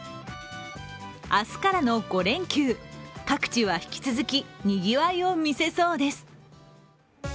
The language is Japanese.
明日からの５連休、各地は引き続きにぎわいを見せそうです。